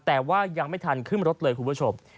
แต่ว่ายังไม่ทันขึ้นรถเลยคุณผู้ชม